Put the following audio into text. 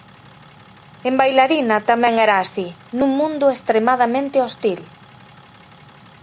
En Bailarina tamén era así, nun mundo extremadamente hostil.